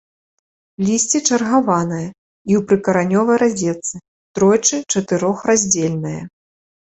Лісце чаргаванае і ў прыкаранёвай разетцы, тройчы-чатырохраздзельнае.